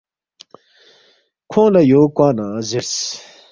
کھونگ لہ یو کوا نہ زیرس،